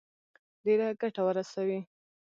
ډېره ګټه ورسوي.